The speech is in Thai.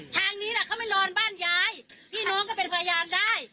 ทางนี้เขาไม่บ้านยายพี่น้องก็เป็นพยายามได้